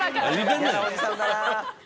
嫌なおじさんだな。